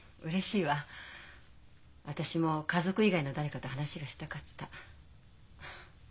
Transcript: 私も家族以外の誰かと話がしたかった。